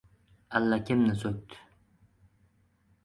Allakimni so‘kdi.